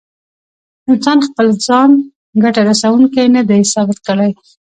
انسان خپل ځان ګټه رسوونکی نه دی ثابت کړی.